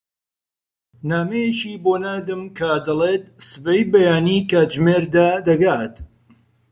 نامەیەکی بۆ ناردم کە دەڵێت سبەی بەیانی کاتژمێر دە دەگات.